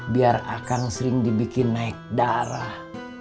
biar akang sering dibikin naik darah